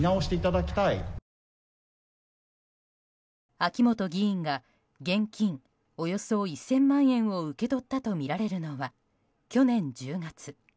秋本議員が現金およそ１０００万円を受け取ったとみられるのは去年１０月。